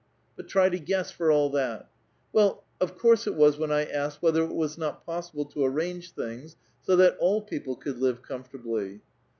" But try to guess for all that !"" Well, of course it was when I asked whether it was not possible to arrange things so that all people could live com fortablv."